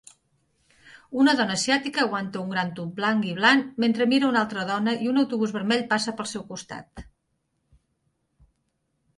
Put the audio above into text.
Una dona asiàtica aguanta un gran tub blanc i blan mentre mira una altra dona i un autobús vermell passa pel seu costat